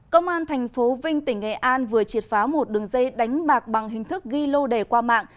công an tp vinh tỉnh nghệ an vừa triệt phá một đường dây đánh bạc bằng hình thức ghi lô đề qua mạng